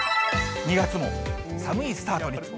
２月も寒いスタートに。